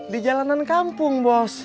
di jalanan kampung bos